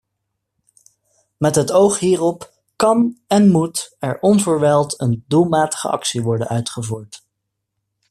Met het oog hierop kan en moet er onverwijld een doelmatige actie worden uitgevoerd.